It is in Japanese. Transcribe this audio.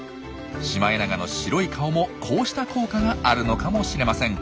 シマエナガの白い顔もこうした効果があるのかもしれません。